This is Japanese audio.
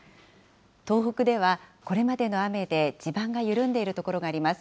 東北では、これまでの雨で地盤が緩んでいる所があります。